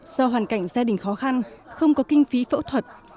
do hoàn cảnh gia đình khó khăn không có kinh phí phẫu thuật